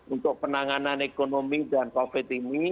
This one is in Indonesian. untuk penanganan ekonomi dan covid ini